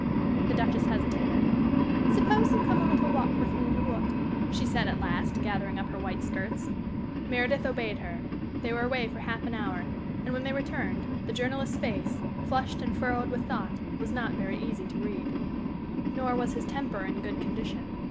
The Duchess hesitated. "Suppose you come a little walk with me in the wood," she said, at last, gathering up her white skirts. Meredith obeyed her. They were away for half an hour, and when they returned the journalist's face, flushed and furrowed with thought, was not very easy to read. Nor was his temper in good condition.